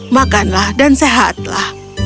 makanlah dan sehatlah